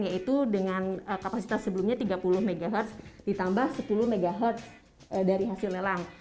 yaitu dengan kapasitas sebelumnya tiga puluh mhz ditambah sepuluh mhz dari hasil lelang